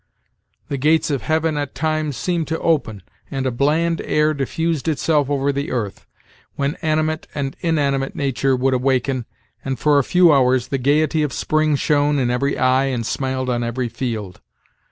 The gates of heaven at times seemed to open, and a bland air diffused itself over the earth, when animate and inanimate nature would awaken, and, for a few hours, the gayety of spring shone in every eye and smiled on every field.